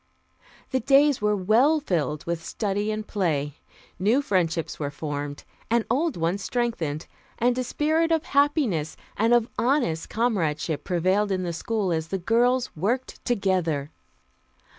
The days were well filled with study and play. New friendships were formed and old ones strengthened, and a spirit of happiness and of honest comradeship prevailed in the school as the girls worked together.